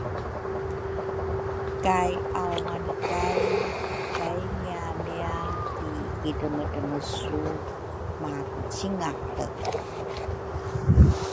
kay aungangekay kai ngiamia kidremedremesu makucingalre.